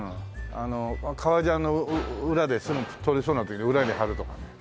あの革ジャンの裏で取れそうになった時に裏に貼るとかね。